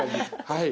はい。